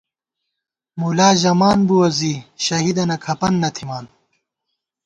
مُلا ژَمان بُوَہ زی شہیدَنہ کھپَن نہ تھِمان